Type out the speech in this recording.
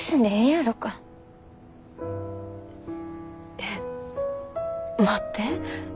え待って。